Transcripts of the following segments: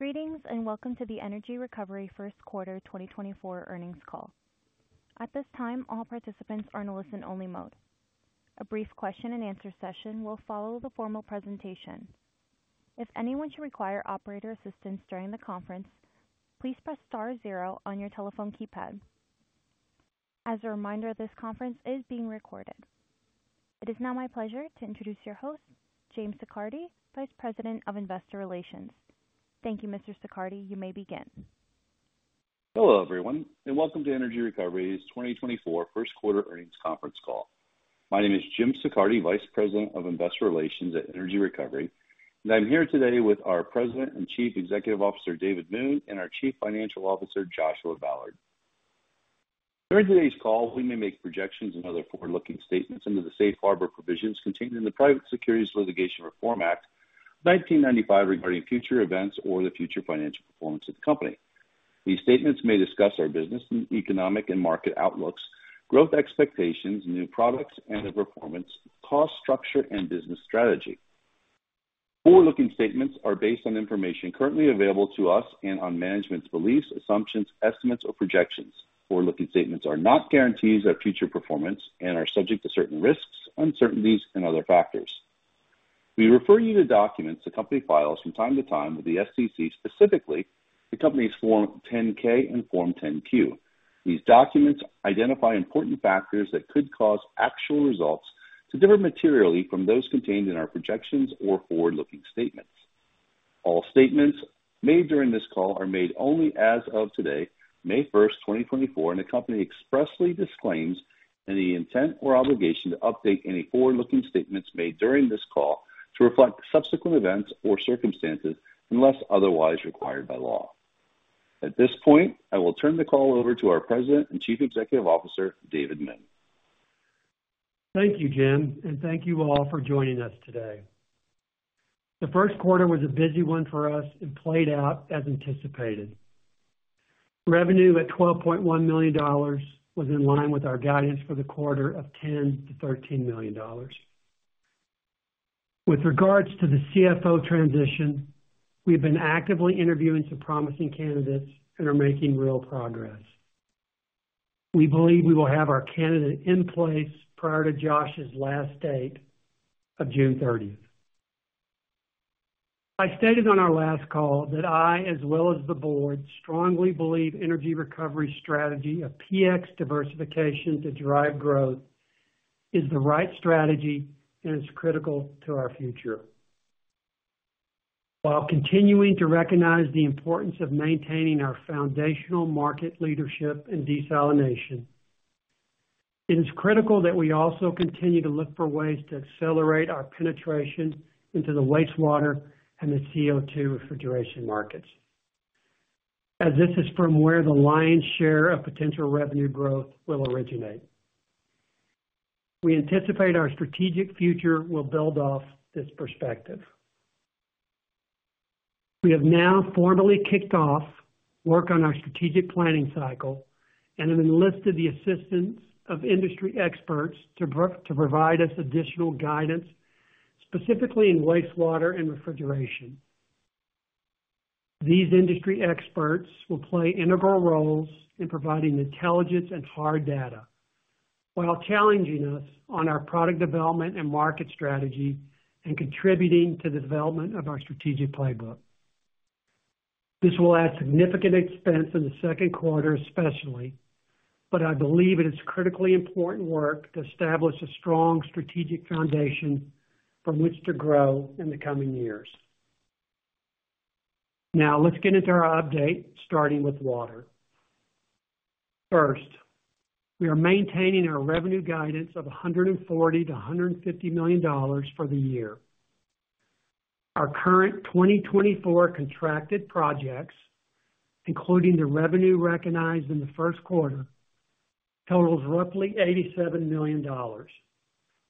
Greetings and welcome to the Energy Recovery first quarter 2024 earnings call. At this time, all participants are in a listen-only mode. A brief question-and-answer session will follow the formal presentation. If anyone should require operator assistance during the conference, please press star 0 on your telephone keypad. As a reminder, this conference is being recorded. It is now my pleasure to introduce your host, James Siccardi, Vice President of Investor Relations. Thank you, Mr. Siccardi. You may begin. Hello everyone, and welcome to Energy Recovery's 2024 first quarter earnings conference call. My name is Jim Siccardi, Vice President of Investor Relations at Energy Recovery, and I'm here today with our President and Chief Executive Officer David Moon and our Chief Financial Officer Joshua Ballard. During today's call, we may make projections and other forward-looking statements into the Safe Harbor Provisions contained in the Private Securities Litigation Reform Act of 1995 regarding future events or the future financial performance of the company. These statements may discuss our business and economic and market outlooks, growth expectations, new products and/or performance, cost structure and business strategy. Forward-looking statements are based on information currently available to us and on management's beliefs, assumptions, estimates, or projections. Forward-looking statements are not guarantees of future performance and are subject to certain risks, uncertainties, and other factors. We refer you to documents the company files from time to time with the SEC, specifically the company's Form 10-K and Form 10-Q. These documents identify important factors that could cause actual results to differ materially from those contained in our projections or forward-looking statements. All statements made during this call are made only as of today, May 1st, 2024, and the company expressly disclaims any intent or obligation to update any forward-looking statements made during this call to reflect subsequent events or circumstances unless otherwise required by law. At this point, I will turn the call over to our President and Chief Executive Officer David Moon. Thank you, Jim, and thank you all for joining us today. The first quarter was a busy one for us and played out as anticipated. Revenue at $12.1 million was in line with our guidance for the quarter of $10-$13 million. With regards to the CFO transition, we've been actively interviewing some promising candidates and are making real progress. We believe we will have our candidate in place prior to Josh's last date of June 30th. I stated on our last call that I, as well as the board, strongly believe Energy Recovery's strategy of PX diversification to drive growth is the right strategy and is critical to our future. While continuing to recognize the importance of maintaining our foundational market leadership and desalination, it is critical that we also continue to look for ways to accelerate our penetration into the wastewater and the CO2 refrigeration markets, as this is from where the lion's share of potential revenue growth will originate. We anticipate our strategic future will build off this perspective. We have now formally kicked off work on our strategic planning cycle and have enlisted the assistance of industry experts to provide us additional guidance, specifically in wastewater and refrigeration. These industry experts will play integral roles in providing intelligence and hard data while challenging us on our product development and market strategy and contributing to the development of our strategic playbook. This will add significant expense in the second quarter, especially, but I believe it is critically important work to establish a strong strategic foundation from which to grow in the coming years. Now, let's get into our update, starting with water. First, we are maintaining our revenue guidance of $140 million-$150 million for the year. Our current 2024 contracted projects, including the revenue recognized in the first quarter, totals roughly $87 million, or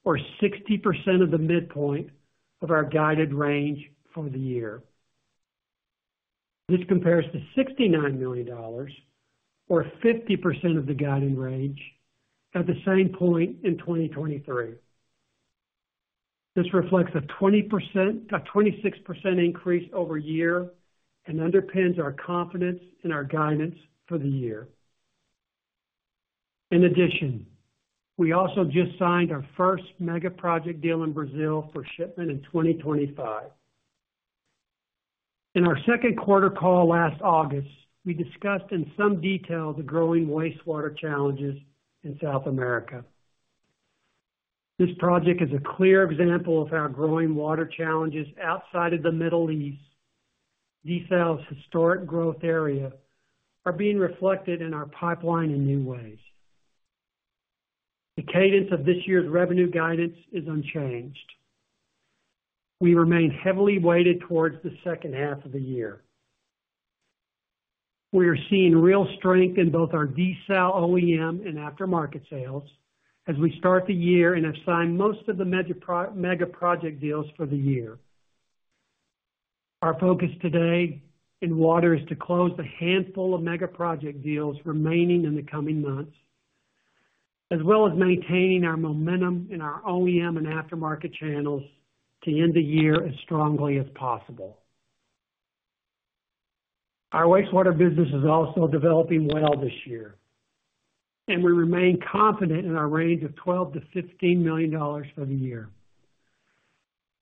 60% of the midpoint of our guided range for the year. This compares to $69 million, or 50% of the guiding range, at the same point in 2023. This reflects a 26% increase year-over-year and underpins our confidence in our guidance for the year. In addition, we also just signed our first mega project deal in Brazil for shipment in 2025. In our second quarter call last August, we discussed in some detail the growing wastewater challenges in South America. This project is a clear example of how growing water challenges outside of the Middle East, Desal's historic growth area, are being reflected in our pipeline in new ways. The cadence of this year's revenue guidance is unchanged. We remain heavily weighted toward the second half of the year. We are seeing real strength in both our Desal OEM and aftermarket sales as we start the year and have signed most of the mega project deals for the year. Our focus today in water is to close a handful of mega project deals remaining in the coming months, as well as maintaining our momentum in our OEM and aftermarket channels to end the year as strongly as possible. Our wastewater business is also developing well this year, and we remain confident in our range of $12 million-$15 million for the year.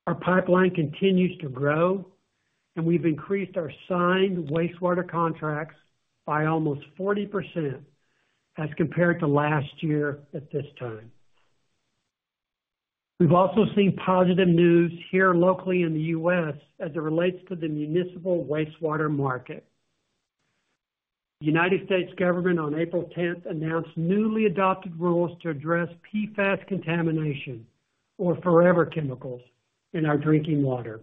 Our pipeline continues to grow, and we've increased our signed wastewater contracts by almost 40% as compared to last year at this time. We've also seen positive news here locally in the U.S. as it relates to the municipal wastewater market. The United States government on April 10th announced newly adopted rules to address PFAS contamination, or forever chemicals, in our drinking water.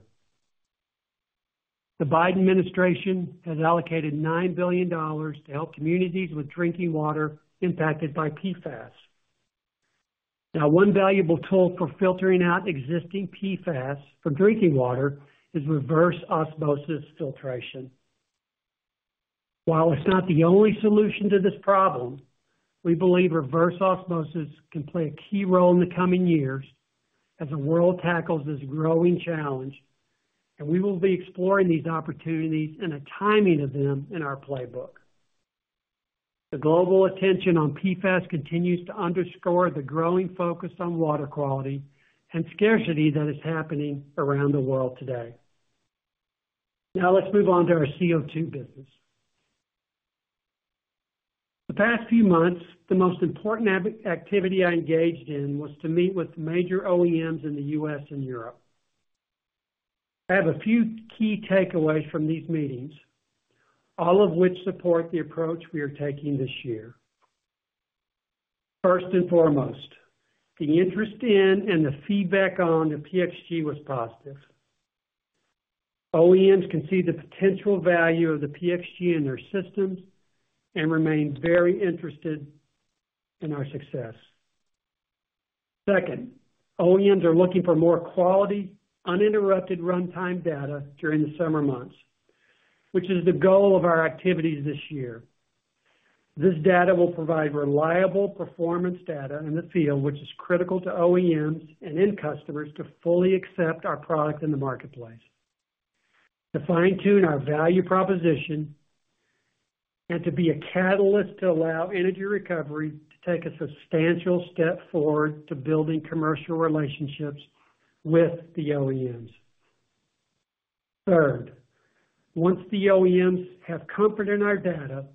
The Biden administration has allocated $9 billion to help communities with drinking water impacted by PFAS. Now, one valuable tool for filtering out existing PFAS from drinking water is reverse osmosis filtration. While it's not the only solution to this problem, we believe reverse osmosis can play a key role in the coming years as the world tackles this growing challenge, and we will be exploring these opportunities and the timing of them in our playbook. The global attention on PFAS continues to underscore the growing focus on water quality and scarcity that is happening around the world today. Now, let's move on to our CO2 business. The past few months, the most important activity I engaged in was to meet with major OEMs in the U.S. and Europe. I have a few key takeaways from these meetings, all of which support the approach we are taking this year. First and foremost, the interest in and the feedback on the PX G was positive. OEMs can see the potential value of the PX G in their systems and remain very interested in our success. Second, OEMs are looking for more quality, uninterrupted runtime data during the summer months, which is the goal of our activities this year. This data will provide reliable performance data in the field, which is critical to OEMs and end customers to fully accept our product in the marketplace, to fine-tune our value proposition, and to be a catalyst to allow Energy Recovery to take a substantial step forward to building commercial relationships with the OEMs. Third, once the OEMs have comfort in our data,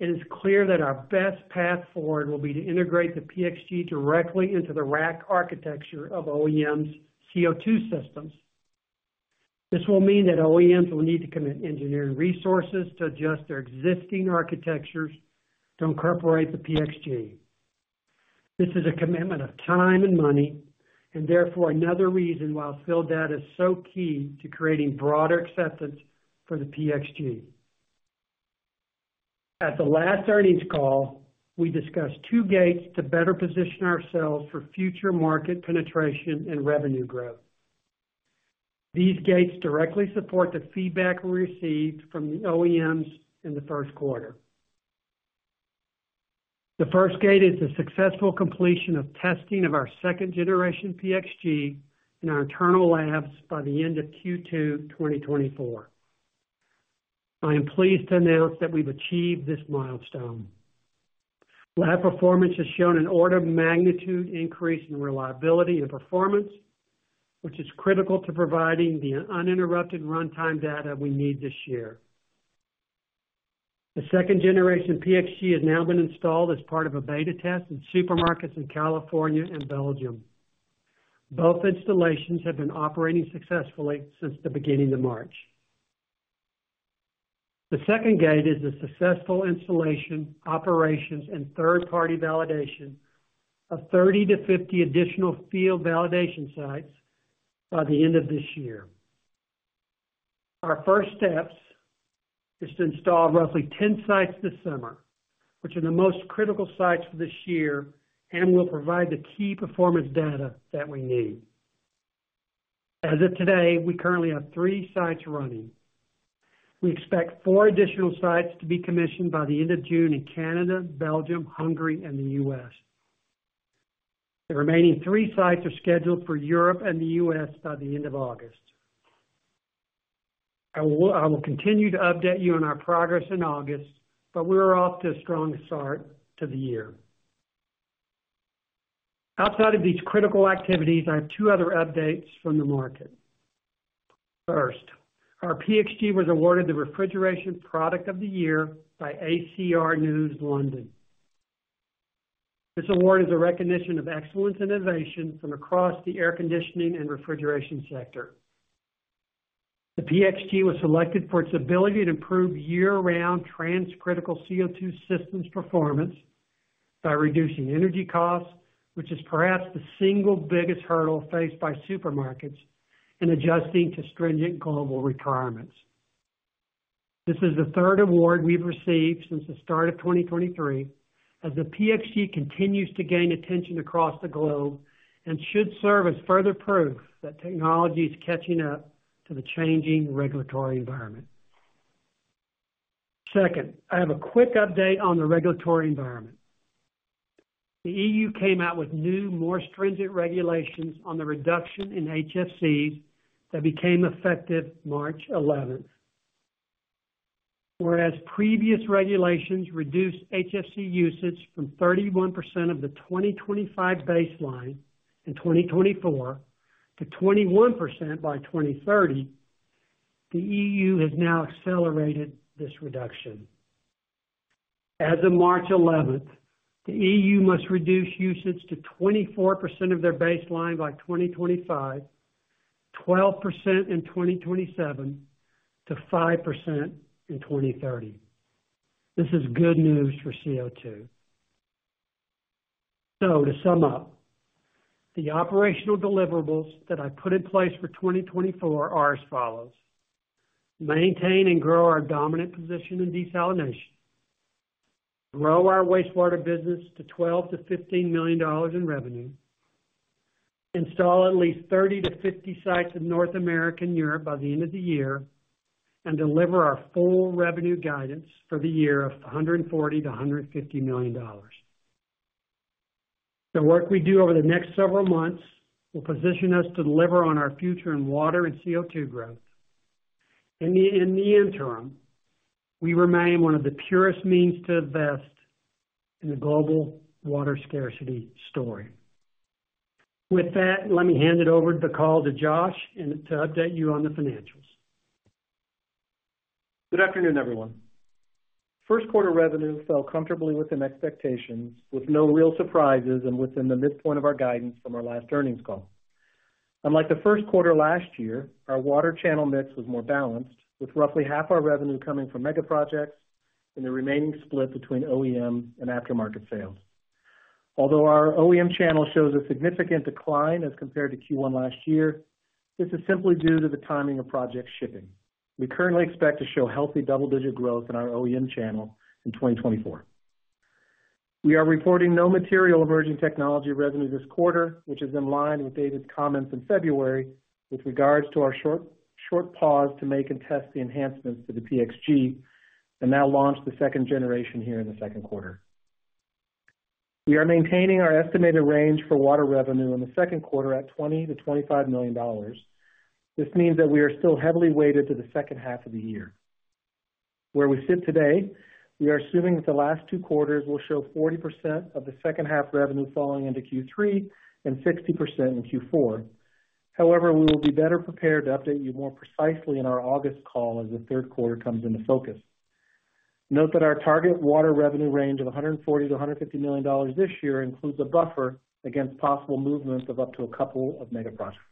it is clear that our best path forward will be to integrate the PX G directly into the rack architecture of OEMs' CO2 systems. This will mean that OEMs will need to commit engineering resources to adjust their existing architectures to incorporate the PX G. This is a commitment of time and money and, therefore, another reason why field data is so key to creating broader acceptance for the PX G. At the last earnings call, we discussed two gates to better position ourselves for future market penetration and revenue growth. These gates directly support the feedback we received from the OEMs in the first quarter. The first gate is the successful completion of testing of our second-generation PX G in our internal labs by the end of Q2 2024. I am pleased to announce that we've achieved this milestone. Lab performance has shown an order of magnitude increase in reliability and performance, which is critical to providing the uninterrupted runtime data we need this year. The second-generation PX G has now been installed as part of a beta test in supermarkets in California and Belgium. Both installations have been operating successfully since the beginning of March. The second gate is the successful installation, operations, and third-party validation of 30-50 additional field validation sites by the end of this year. Our first step is to install roughly 10 sites this summer, which are the most critical sites for this year and will provide the key performance data that we need. As of today, we currently have three sites running. We expect four additional sites to be commissioned by the end of June in Canada, Belgium, Hungary, and the U.S. The remaining three sites are scheduled for Europe and the U.S. by the end of August. I will continue to update you on our progress in August, but we are off to a strong start to the year. Outside of these critical activities, I have two other updates from the market. First, our PX G was awarded the Refrigeration Product of the Year by ACR News London. This award is a recognition of excellence innovation from across the air conditioning and refrigeration sector. The PX G was selected for its ability to improve year-round transcritical CO2 systems performance by reducing energy costs, which is perhaps the single biggest hurdle faced by supermarkets, and adjusting to stringent global requirements. This is the third award we've received since the start of 2023 as the PX G continues to gain attention across the globe and should serve as further proof that technology is catching up to the changing regulatory environment. Second, I have a quick update on the regulatory environment. The EU came out with new, more stringent regulations on the reduction in HFCs that became effective March 11th. Whereas previous regulations reduced HFC usage from 31% of the 2025 baseline in 2024 to 21% by 2030, the EU has now accelerated this reduction. As of March 11th, the EU must reduce usage to 24% of their baseline by 2025, 12% in 2027, to 5% in 2030. This is good news for CO2. So, to sum up, the operational deliverables that I put in place for 2024 are as follows: maintain and grow our dominant position in desalination, grow our wastewater business to $12-$15 million in revenue, install at least 30-50 sites in North America and Europe by the end of the year, and deliver our full revenue guidance for the year of $140-$150 million. The work we do over the next several months will position us to deliver on our future in water and CO2 growth. In the interim, we remain one of the purest means to invest in the global water scarcity story. With that, let me hand it over to the call to Josh to update you on the financials. Good afternoon, everyone. First quarter revenue fell comfortably within expectations, with no real surprises and within the midpoint of our guidance from our last earnings call. Unlike the first quarter last year, our water channel mix was more balanced, with roughly half our revenue coming from mega projects and the remaining split between OEM and aftermarket sales. Although our OEM channel shows a significant decline as compared to Q1 last year, this is simply due to the timing of project shipping. We currently expect to show healthy double-digit growth in our OEM channel in 2024. We are reporting no material emerging technology revenue this quarter, which is in line with David's comments in February with regards to our short pause to make and test the enhancements to the PX G and now launch the second generation here in the second quarter. We are maintaining our estimated range for water revenue in the second quarter at $20-$25 million. This means that we are still heavily weighted to the second half of the year. Where we sit today, we are assuming that the last two quarters will show 40% of the second half revenue falling into Q3 and 60% in Q4. However, we will be better prepared to update you more precisely in our August call as the third quarter comes into focus. Note that our target water revenue range of $140-$150 million this year includes a buffer against possible movements of up to a couple of mega projects.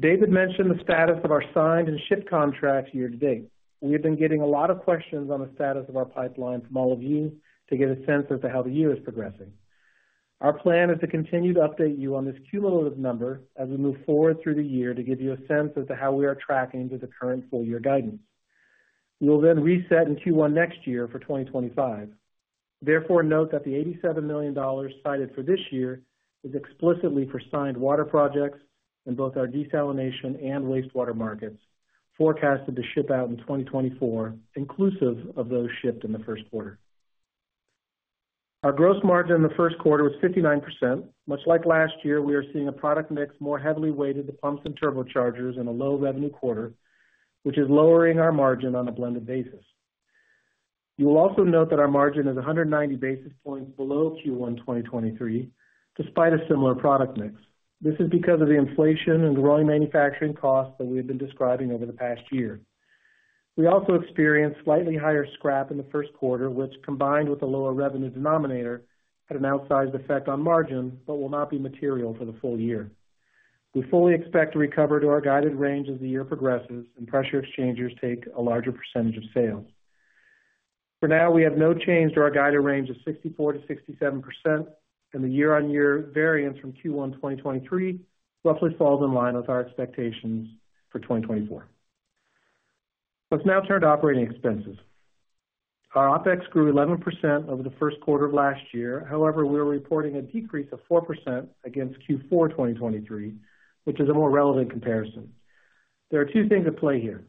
David mentioned the status of our signed and shipped contracts year to date. We have been getting a lot of questions on the status of our pipeline from all of you to get a sense as to how the year is progressing. Our plan is to continue to update you on this cumulative number as we move forward through the year to give you a sense as to how we are tracking to the current full-year guidance. We will then reset in Q1 next year for 2025. Therefore, note that the $87 million cited for this year is explicitly for signed water projects in both our desalination and wastewater markets forecasted to ship out in 2024, inclusive of those shipped in the first quarter. Our gross margin in the first quarter was 59%. Much like last year, we are seeing a product mix more heavily weighted to pumps and turbochargers in a low-revenue quarter, which is lowering our margin on a blended basis. You will also note that our margin is 190 basis points below Q1 2023 despite a similar product mix. This is because of the inflation and growing manufacturing costs that we have been describing over the past year. We also experienced slightly higher scrap in the first quarter, which, combined with a lower revenue denominator, had an outsized effect on margin but will not be material for the full year. We fully expect to recover to our guided range as the year progresses and pressure exchangers take a larger percentage of sales. For now, we have no change to our guided range of 64%-67%, and the year-on-year variance from Q1 2023 roughly falls in line with our expectations for 2024. Let's now turn to operating expenses. Our OPEX grew 11% over the first quarter of last year. However, we are reporting a decrease of 4% against Q4 2023, which is a more relevant comparison. There are two things at play here.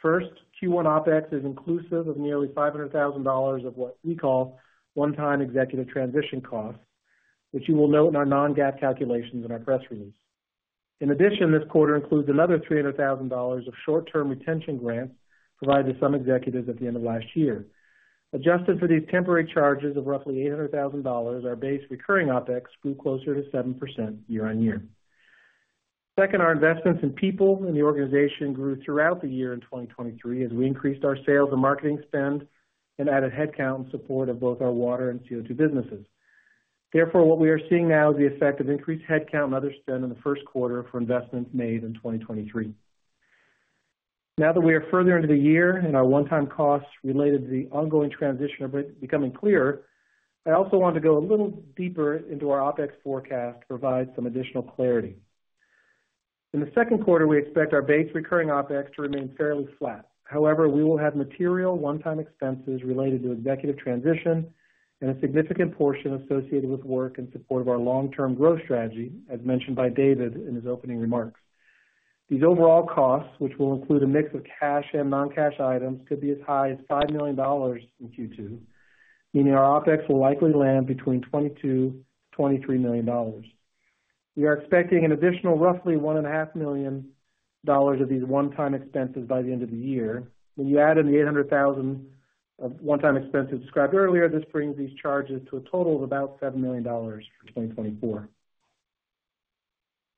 First, Q1 OPEX is inclusive of nearly $500,000 of what we call one-time executive transition costs, which you will note in our non-GAAP calculations in our press release. In addition, this quarter includes another $300,000 of short-term retention grants provided to some executives at the end of last year. Adjusted for these temporary charges of roughly $800,000, our base recurring OPEX grew closer to 7% year-on-year. Second, our investments in people and the organization grew throughout the year in 2023 as we increased our sales and marketing spend and added headcount and support of both our water and CO2 businesses. Therefore, what we are seeing now is the effect of increased headcount and other spend in the first quarter for investments made in 2023. Now that we are further into the year and our one-time costs related to the ongoing transition are becoming clearer, I also want to go a little deeper into our OPEX forecast to provide some additional clarity. In the second quarter, we expect our base recurring OPEX to remain fairly flat. However, we will have material one-time expenses related to executive transition and a significant portion associated with work in support of our long-term growth strategy, as mentioned by David in his opening remarks. These overall costs, which will include a mix of cash and non-cash items, could be as high as $5 million in Q2, meaning our OPEX will likely land between $22-$23 million. We are expecting an additional roughly $1.5 million of these one-time expenses by the end of the year. When you add in the $800,000 of one-time expenses described earlier, this brings these charges to a total of about $7 million for 2024.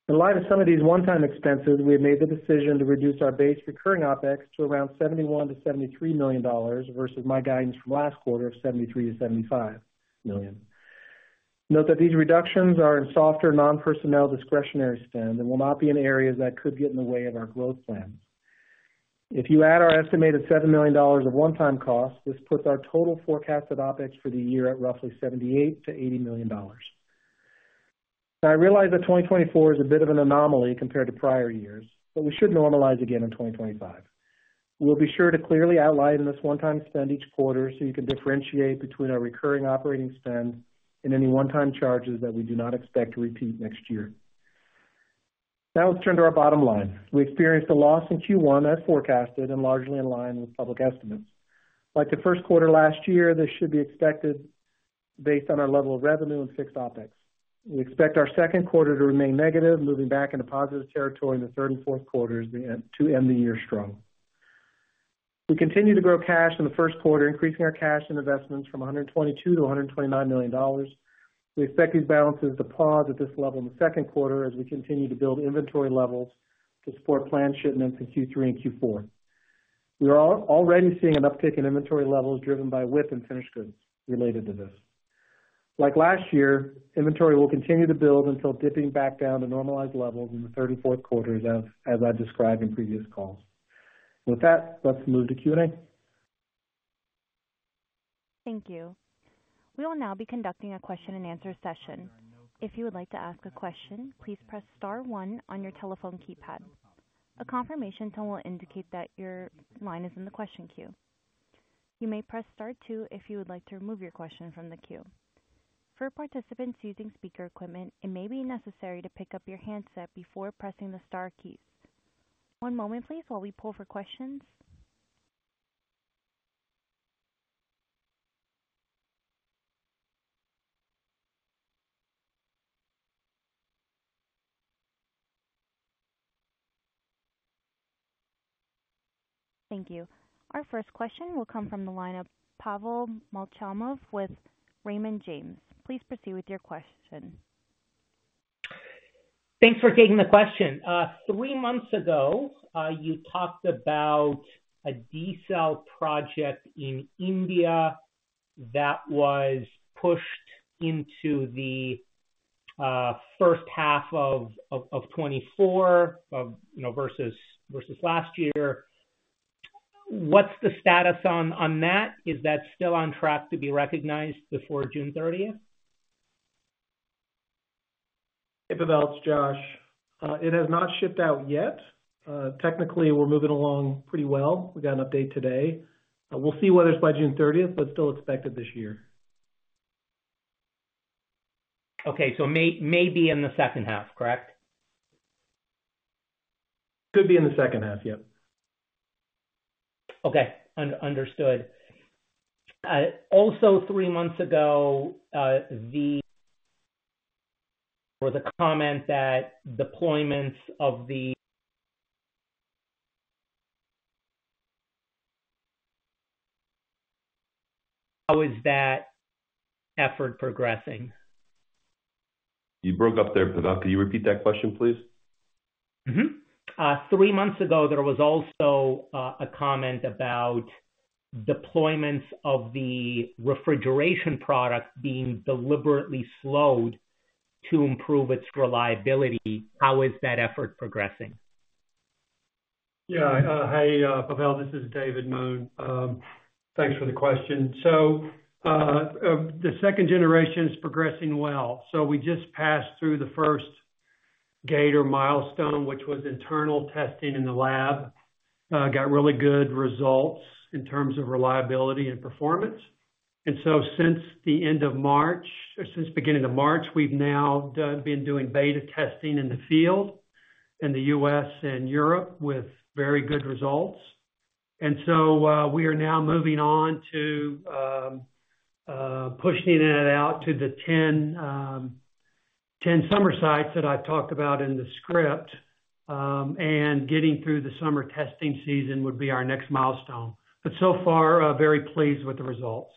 In light of some of these one-time expenses, we have made the decision to reduce our base recurring OPEX to around $71-$73 million versus my guidance from last quarter of $73-$75 million. Note that these reductions are in softer non-personnel discretionary spend and will not be in areas that could get in the way of our growth plans. If you add our estimated $7 million of one-time costs, this puts our total forecasted OPEX for the year at roughly $78-$80 million. Now, I realize that 2024 is a bit of an anomaly compared to prior years, but we should normalize again in 2025. We'll be sure to clearly outline this one-time spend each quarter so you can differentiate between our recurring operating spend and any one-time charges that we do not expect to repeat next year. Now, let's turn to our bottom line. We experienced a loss in Q1 as forecasted and largely in line with public estimates. Like the first quarter last year, this should be expected based on our level of revenue and fixed OPEX. We expect our second quarter to remain negative, moving back into positive territory in the third and fourth quarters to end the year strong. We continue to grow cash in the first quarter, increasing our cash and investments from $122-$129 million. We expect these balances to pause at this level in the second quarter as we continue to build inventory levels to support planned shipments in Q3 and Q4. We are already seeing an uptick in inventory levels driven by WIP and finished goods related to this. Like last year, inventory will continue to build until dipping back down to normalized levels in the third and fourth quarters as I've described in previous calls. With that, let's move to Q&A. Thank you. We will now be conducting a question-and-answer session. If you would like to ask a question, please press star one on your telephone keypad. A confirmation tone will indicate that your line is in the question queue. You may press star two if you would like to remove your question from the queue. For participants using speaker equipment, it may be necessary to pick up your handset before pressing the star keys. One moment, please, while we poll for questions. Thank you. Our first question will come from the lineup, Pavel Molchanov with Raymond James. Please proceed with your question. Thanks for taking the question. Three months ago, you talked about a desal project in India that was pushed into the first half of 2024 versus last year. What's the status on that? Is that still on track to be recognized before June 30th? Hey, Pavel. It's Josh. It has not shipped out yet. Technically, we're moving along pretty well. We got an update today. We'll see whether it's by June 30th, but still expected this year. Okay. So maybe in the second half, correct? Could be in the second half, yep. Okay. Understood. Also, three months ago, there was a comment that deployments of the—how is that effort progressing? You broke up there, Pavel. Could you repeat that question, please? Three months ago, there was also a comment about deployments of the refrigeration product being deliberately slowed to improve its reliability. How is that effort progressing? Yeah. Hi, Pavel. This is David Moon. Thanks for the question. So the second generation is progressing well. So we just passed through the first major milestone, which was internal testing in the lab. Got really good results in terms of reliability and performance. Since the end of March or since the beginning of March, we've now been doing beta testing in the field in the U.S. and Europe with very good results. We are now moving on to pushing it out to the 10 summer sites that I've talked about in the script, and getting through the summer testing season would be our next milestone. But so far, very pleased with the results.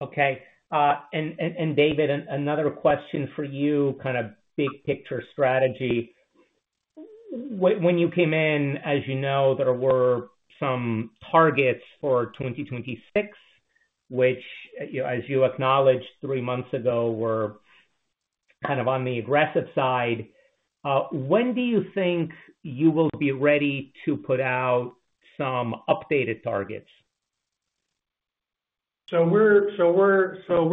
Okay. And David, another question for you, kind of big-picture strategy. When you came in, as you know, there were some targets for 2026, which, as you acknowledged three months ago, were kind of on the aggressive side. When do you think you will be ready to put out some updated targets? So we're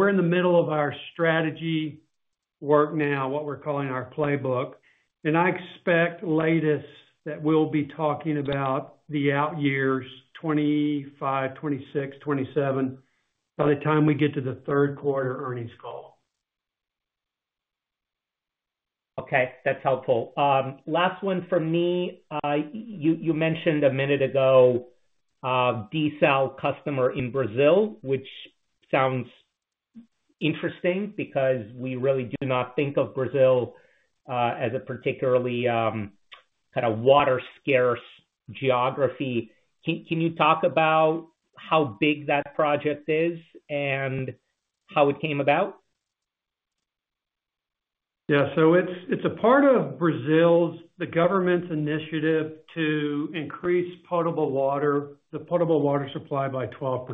in the middle of our strategy work now, what we're calling our playbook. I expect at latest that we'll be talking about the out years, 2025, 2026, 2027, by the time we get to the third quarter earnings call. Okay. That's helpful. Last one from me. You mentioned a minute ago desal customer in Brazil, which sounds interesting because we really do not think of Brazil as a particularly kind of water-scarce geography. Can you talk about how big that project is and how it came about? Yeah. So it's a part of Brazil's, the government's initiative to increase potable water, the potable water supply by 12%.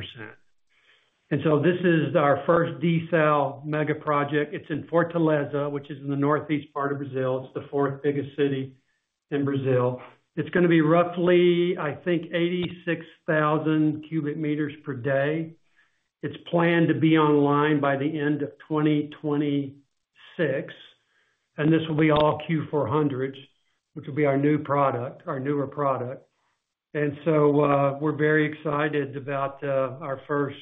And so this is our first desal mega project. It's in Fortaleza, which is in the northeast part of Brazil. It's the fourth biggest city in Brazil. It's going to be roughly, I think, 86,000 cubic meters per day. It's planned to be online by the end of 2026. And this will be all Q400s, which will be our newer product. And so we're very excited about our first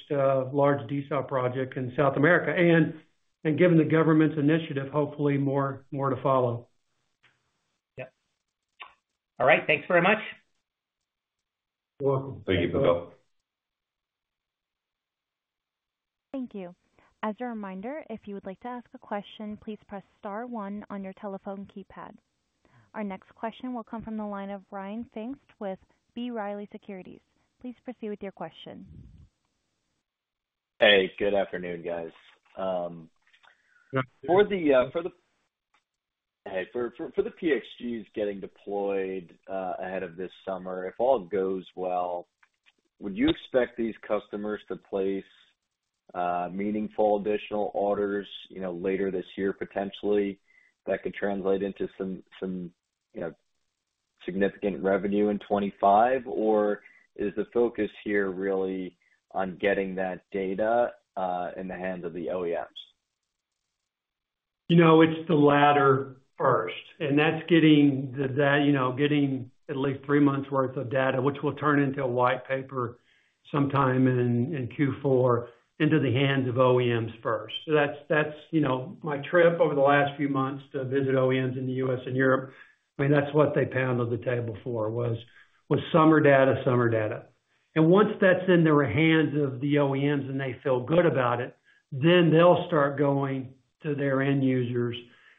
large desal project in South America and given the government's initiative, hopefully, more to follow. Yep. All right. Thanks very much. You're welcome. Thank you, Pavel. Thank you. As a reminder, if you would like to ask a question, please press star one on your telephone keypad. Our next question will come from the line of Ryan Pfingst with B. Riley Securities. Please proceed with your question. Hey. Good afternoon, guys. For the PX Gs getting deployed ahead of this summer, if all goes well, would you expect these customers to place meaningful additional orders later this year, potentially, that could translate into some significant revenue in 2025? Or is the focus here really on getting that data in the hands of the OEMs? It's the latter first. That's getting at least three months' worth of data, which will turn into a white paper sometime in Q4, into the hands of OEMs first. So that's my trip over the last few months to visit OEMs in the U.S. and Europe. I mean, that's what they pounded the table for, was summer data, summer data. And once that's in the hands of the OEMs and they feel good about it, then they'll start going to their end users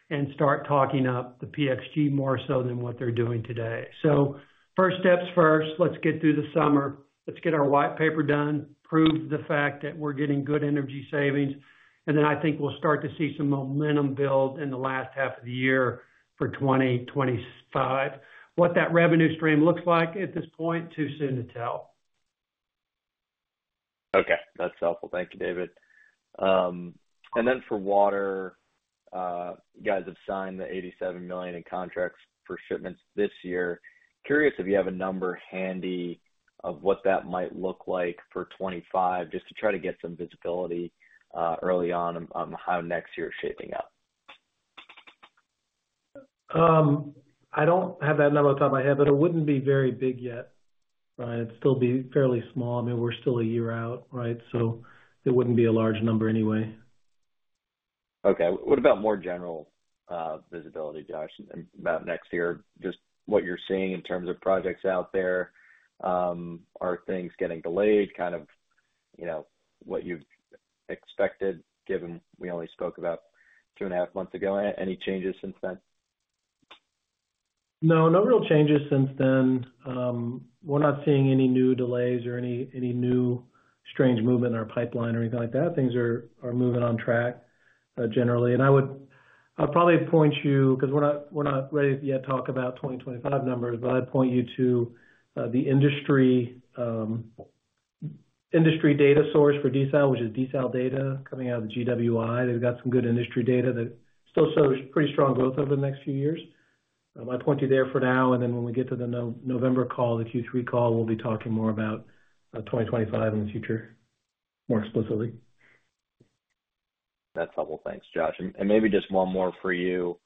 and start talking up the PX G more so than what they're doing today. So first steps first. Let's get through the summer. Let's get our white paper done, prove the fact that we're getting good energy savings. And then I think we'll start to see some momentum build in the last half of the year for 2025. What that revenue stream looks like at this point, too soon to tell. Okay. That's helpful. Thank you, David. And then for water, you guys have signed the $87 million in contracts for shipments this year. Curious if you have a number handy of what that might look like for 2025 just to try to get some visibility early on on how next year is shaping up. I don't have that number off the top of my head, but it wouldn't be very big yet, right? It'd still be fairly small. I mean, we're still a year out, right? So it wouldn't be a large number anyway. Okay. What about more general visibility, Josh, about next year? Just what you're seeing in terms of projects out there? Are things getting delayed, kind of what you've expected given we only spoke about two and a half months ago? Any changes since then? No. No real changes since then. We're not seeing any new delays or any new strange movement in our pipeline or anything like that. Things are moving on track generally. And I would probably point you because we're not ready to yet talk about 2025 numbers, but I'd point you to the industry data source for desal, which is DesalData coming out of the GWI. They've got some good industry data that still shows pretty strong growth over the next few years. I'd point you there for now. And then when we get to the November call, the Q3 call, we'll be talking more about 2025 in the future more explicitly. That's helpful. Thanks, Josh. And maybe just one more for you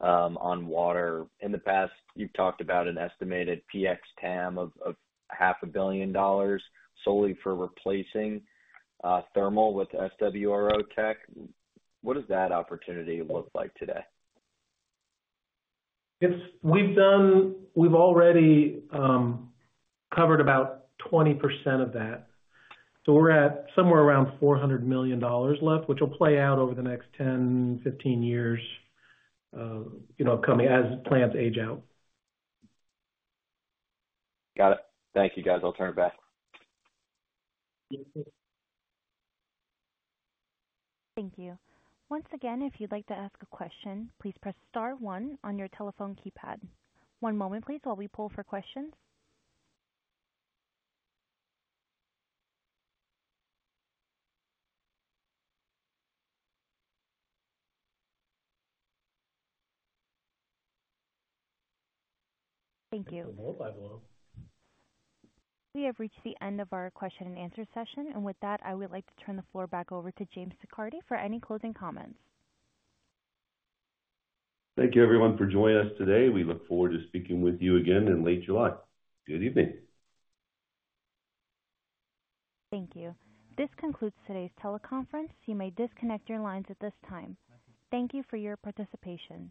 on water. In the past, you've talked about an estimated PX TAM of $500 million solely for replacing thermal with SWRO tech. What does that opportunity look like today? We've already covered about 20% of that. So we're at somewhere around $400 million left, which will play out over the next 10-15 years as plants age out. Got it. Thank you, guys. I'll turn it back. Thank you. Once again, if you'd like to ask a question, please press star one on your telephone keypad. One moment, please, while we pull for questions. Thank you. We have reached the end of our question-and-answer session. And with that, I would like to turn the floor back over to James Siccardi for any closing comments. Thank you, everyone, for joining us today. We look forward to speaking with you again in late July. Good evening. Thank you. This concludes today's teleconference. You may disconnect your lines at this time. Thank you for your participation.